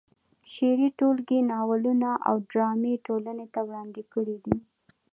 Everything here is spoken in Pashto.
شعري ټولګې، ناولونه او ډرامې یې ټولنې ته وړاندې کړې دي.